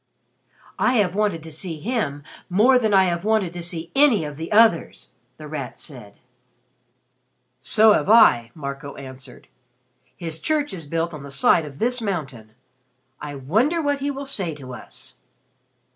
"I have wanted to see him more than I have wanted to see any of the others," The Rat said. "So have I," Marco answered. "His church is built on the side of this mountain. I wonder what he will say to us."